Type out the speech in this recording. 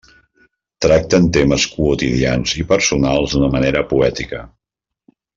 Tracten temes quotidians i personals d'una manera poètica.